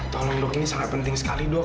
tolong dok ini sangat penting sekali dok